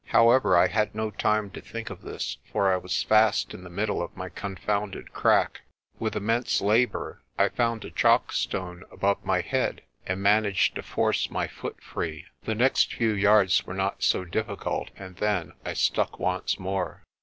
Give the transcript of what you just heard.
However, I had no time to think of this, for I was fast in the middle of my confounded crack. With immense labour I found a chockstone above my head, and managed to force my foot free. The next few yards were not so difficult, and then I stuck once more.